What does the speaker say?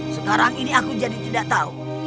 sekarang ini aku jadi tidak tahu